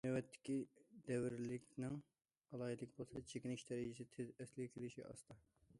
نۆۋەتتىكى دەۋرىيلىكنىڭ ئالاھىدىلىكى بولسا چېكىنىش دەرىجىسى تېز، ئەسلىگە كېلىشى ئاستا.